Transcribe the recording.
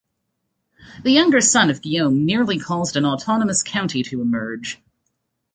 The younger son of Guillaume nearly caused an autonomous county to emerge.